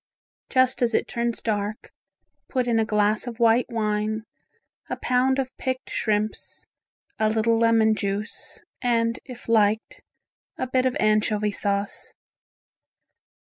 Just as it turns dark, put in a glass of white wine, a pound of picked shrimps, a little lemon juice, and if liked, a bit of anchovy sauce.